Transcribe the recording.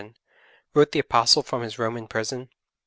11) wrote the Apostle from his Roman prison.